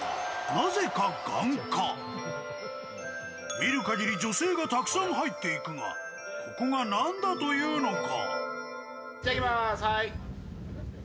見るかぎり、女性がたくさん入っていくが、ここがなんだというのか。